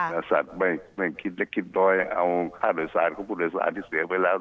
และสัตว์ไม่คิดเล็กคิดน้อยยังเอาค่าโดยสารของผู้โดยสารที่เสียไปแล้ว